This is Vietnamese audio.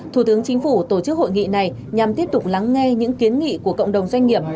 thủ tướng chính phủ tổ chức hội nghị này nhằm tiếp tục lắng nghe những kiến nghị của cộng đồng doanh nghiệp